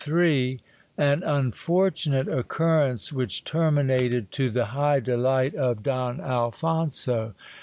— An unfortunate occurrence, which terminated to the high delight of Don Alphonso.